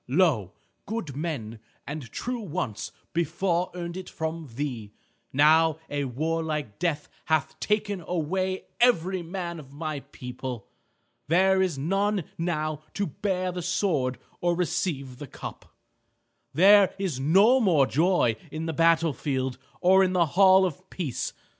Lo! good men and true once before earned it from thee. Now a warlike death hath taken away every man of my people. There is none now to bear the sword or receive the cup. There is no more joy in the battle field or in the hall of peace.